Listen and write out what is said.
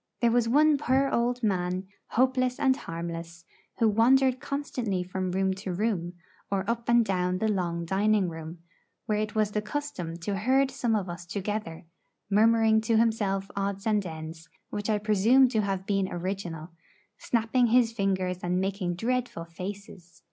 There was one poor old man, hopeless and harmless, who wandered constantly from room to room, or up and down the long dining room, where it was the custom to herd some of us together, murmuring to himself odds and ends which I presume to have been original, snapping his fingers and making dreadful faces.